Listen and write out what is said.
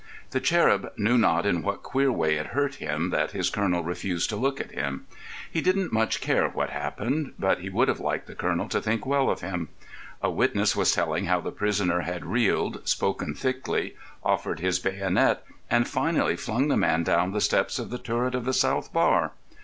The cherub knew not in what queer way it hurt him that his colonel refused to look at him. He didn't much care what happened, but he would have liked the colonel to think well of him. A witness was telling how the prisoner had reeled, spoken thickly, offered his bayonet, and finally flung the man down the steps of the turret of the South Bar.